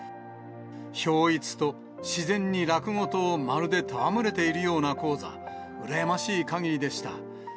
ひょう逸と自然に落語と、まるで戯れているような高座、羨ましいかぎりでした。